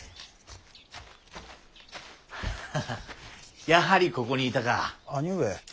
ハハッやはりここにいたか。